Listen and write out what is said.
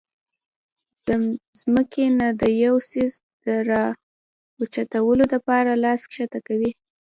د زمکې نه د يو څيز را اوچتولو د پاره لاس ښکته کوي